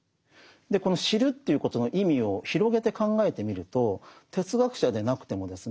この知るっていうことの意味を広げて考えてみると哲学者でなくてもですね